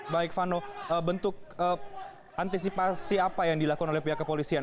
baik vano bentuk antisipasi apa yang dilakukan oleh pihak kepolisian